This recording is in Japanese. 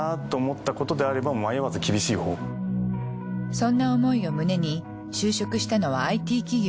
そんな思いを胸に就職したのはＩＴ企業。